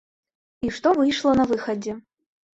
І што выйшла на выхадзе.